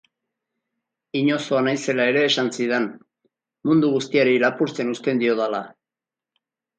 Inozoa naizela ere esan zidan, mundu guztiari lapurtzen uzten diodala...